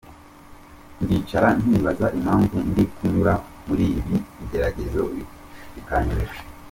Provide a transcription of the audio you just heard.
Ndicara nkibaza impamvu ndi kunyura muri ibi bigeragezo, bikanyobera.